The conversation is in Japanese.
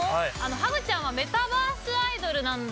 ハグちゃんはメタバースアイドルなんだよね？